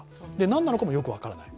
何なのかもよくわからない。